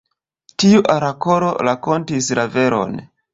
Tiu orakolo rakontis la veron.